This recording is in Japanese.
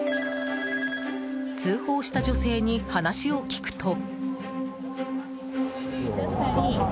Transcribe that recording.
通報した女性に話を聞くと。